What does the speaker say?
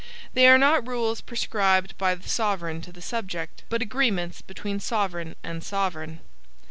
They are not rules prescribed by the sovereign to the subject, but agreements between sovereign and sovereign.